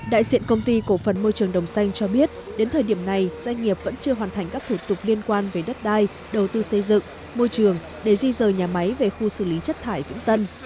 đại diện công ty cổ phần môi trường đồng xanh cho biết đến thời điểm này doanh nghiệp vẫn chưa hoàn thành các thủ tục liên quan về đất đai đầu tư xây dựng môi trường để di rời nhà máy về khu xử lý chất thải vĩnh tân